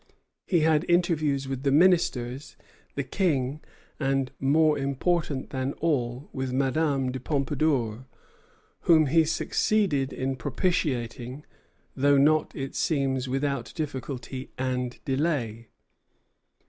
He had interviews with the ministers, the King, and, more important than all, with Madame de Pompadour, whom he succeeded in propitiating, though not, it seems, without difficulty and delay.